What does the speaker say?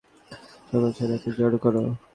সকল সেনাকে জড়ো করো!